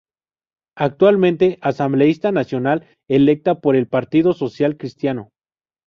Actualmente Asambleísta Nacional electa por el Partido Social Cristiano.